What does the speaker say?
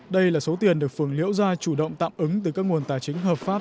đây là số tiền được phường liễu gia chủ động tạm ứng từ các nguồn tài chính hợp pháp